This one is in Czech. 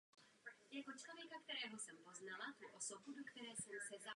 Její dědeček z otcovy strany pocházel ze Sicílie.